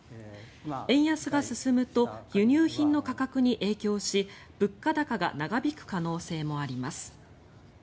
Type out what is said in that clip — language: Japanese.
円安が進むと輸入品の価格に影響し物価高が長引く可能性もあります。